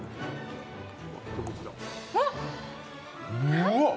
うわっ！